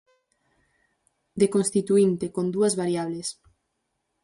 Deconstituínte, con dúas variables.